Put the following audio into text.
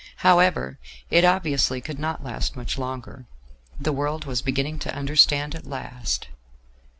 However, it obviously could not last much longer: the world was beginning to understand at last.